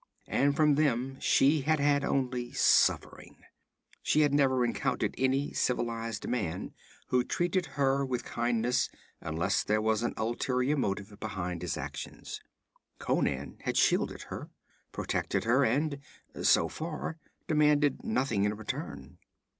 And from them she had had only suffering. She had never encountered any civilized man who treated her with kindness unless there was an ulterior motive behind his actions. Conan had shielded her, protected her, and so far demanded nothing in return.